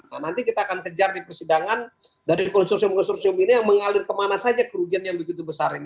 nah nanti kita akan kejar di persidangan dari konsorsium konsorsium ini yang mengalir kemana saja kerugian yang begitu besar ini